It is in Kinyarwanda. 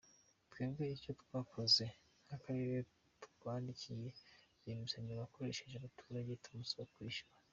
Twebwe icyo twakoze nk’Akarere twandikiye rwiyemezamirimo wakoresheje abaturage tumusaba kwishyura’’.